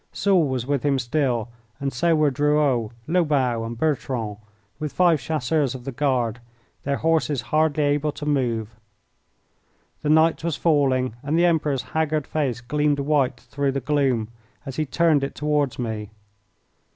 Soult was with him still, and so were Drouot, Lobau, and Bertrand, with five Chasseurs of the Guard, their horses hardly able to move. The night was falling, and the Emperor's haggard face gleamed white through the gloom as he turned it toward me.